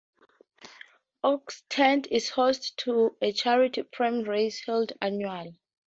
Oxted is host to a charity pram race held annually.